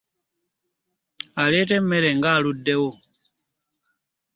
Aleeta emmere ng'aluddewo!